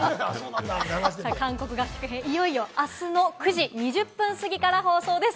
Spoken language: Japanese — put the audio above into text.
韓国合宿編、いよいよあすの９時２０分過ぎから放送です。